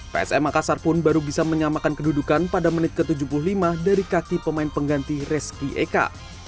psm makassar pun baru bisa menyamakan kedudukan pada menit ke tujuh puluh lima dari kaki pemain pengganti reski eka